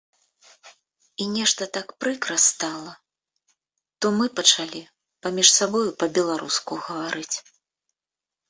І нешта так прыкра стала, то мы пачалі паміж сабою па-беларуску гаварыць.